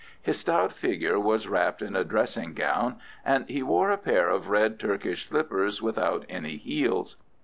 His stout figure was wrapped in a dressing gown, and he wore a pair of red Turkish slippers without any heels.